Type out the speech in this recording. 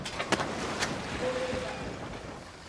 هېواد د پوهې بڼ دی.